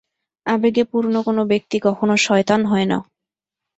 আবেগে পূর্ণ কোন ব্যক্তি কখনও শয়তান হয় না।